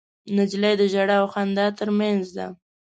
نجلۍ د ژړا او خندا تر منځ ده.